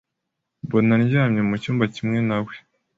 mbona ndyamye mucyumba kimwe na we